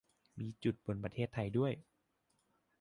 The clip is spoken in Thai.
มีจุดบนประเทศไทยด้วย